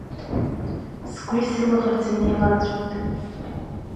Сгәи-сылаӷырӡи неилаҵәеит.